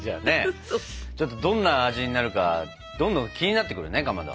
ちょっとどんな味になるかどんどん気になってくるねかまど。